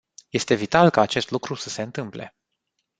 Este vital ca acest lucru să se întâmple.